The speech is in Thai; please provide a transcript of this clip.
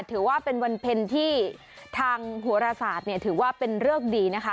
ถือว่าเป็นวันเพ็ญที่ทางหัวรศาสตร์เนี่ยถือว่าเป็นเริกดีนะคะ